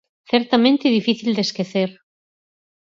Certamente difícil de esquecer.